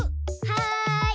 はい。